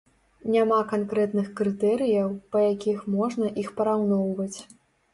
Няма канкрэтных крытэрыяў, па якіх можна іх параўноўваць.